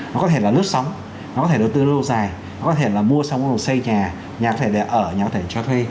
nó có thể là lướt sóng nó có thể là đầu tư lâu dài nó có thể là mua xong xây nhà nhà có thể để ở nhà có thể để cho thuê